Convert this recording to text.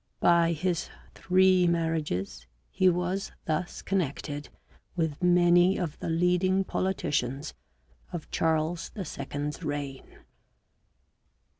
By his three marriages he was thus connected with many of the leading politicians of Charles II. 's reign.